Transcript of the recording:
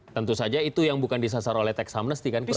tentu saja itu yang bukan disasar oleh tax amnesty kan